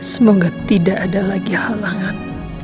semoga tidak ada lagi halangan